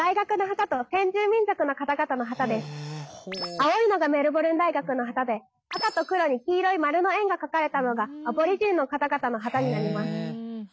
青いのがメルボルン大学の旗で赤と黒に黄色い丸の円が描かれたのがアボリジニの方々の旗になります。